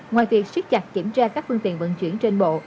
ngoài việc siết chặt kiểm tra các phương tiện vận chuyển trên bộ